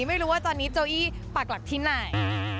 ไม่รู้ว่าตอนนี้โจอี้ปากหลักที่ไหน